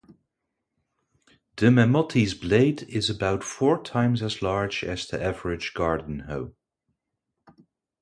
The Mammoty's blade is about four times as large as the average garden hoe.